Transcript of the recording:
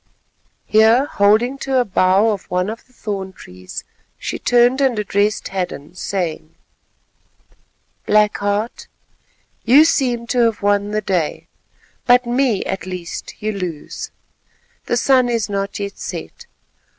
Here, holding to a bough of one of the thorn trees, she turned and addressed Hadden, saying:— "Black Heart, you seem to have won the day, but me at least you lose and—the sun is not yet set.